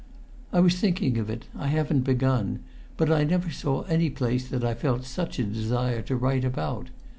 "I was thinking of it. I haven't begun. But I never saw any place that I felt such a desire to write about.